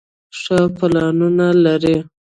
ښۀ پلانونه لري